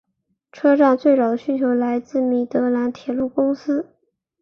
车站最早的需求来自米德兰铁路公司。